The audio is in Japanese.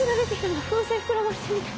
何か風船膨らませてるみたい。